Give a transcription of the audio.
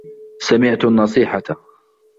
سَمِعْتُ النَّصِيحَةَ.